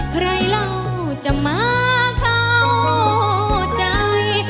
ใครเราจะมาเข้าใจ